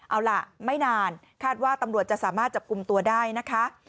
เอาล่ะไม่นานคาดว่าตำรวจจะสามารถจับกลุ่มตัวได้นะคะ